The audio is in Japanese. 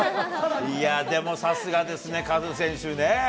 いやぁ、でもさすがですね、カズ選手ね。